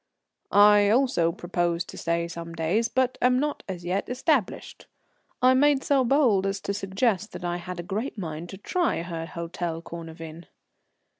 "I also propose to stay some days, but am not yet established." I made so bold as to suggest that I had a great mind to try her Hôtel Cornavin.